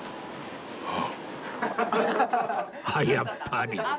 ああやっぱり